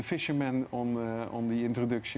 pesawat di introduksi